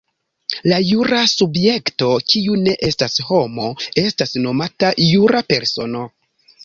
La jura subjekto, kiu ne estas homo, estas nomata jura persono.